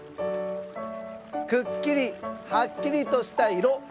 くっきりはっきりとしたいろ